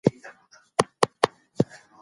که په هلمند کي ښوونځي ډېر شي، نو شعور لوړيږي.